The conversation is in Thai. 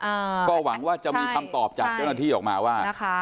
อ่าก็หวังว่าจะมีคำตอบจากเจ้าหน้าที่ออกมาว่านะคะ